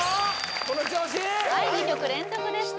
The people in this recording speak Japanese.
その調子はい２曲連続でした